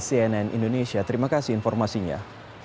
cnn indonesia terima kasih informasinya